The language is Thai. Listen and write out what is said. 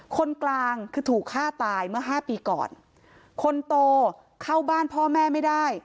คนกลางคือถูกฆ่าตายเมื่อห้าปีก่อนคนโตเข้าบ้านพ่อแม่ไม่ได้